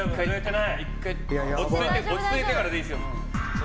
落ち着いてからでいいですよ。